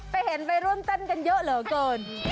ไปเห็นไปร่วมเต้นกันเยอะเหลือเกิน